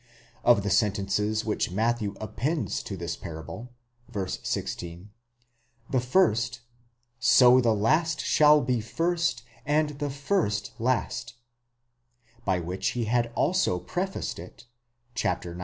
Of the sentences which Matthew appends to this parable (v. 16), the first, So the last shall be first, and the first last, by which he had also pre faced it (xix.